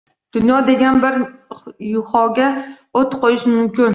Dunyo degan bir yuhoga o’t qo’yish mumkin.